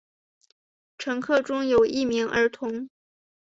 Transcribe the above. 乘客中有一名儿童。